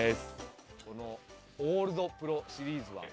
このオールドプロシリーズは。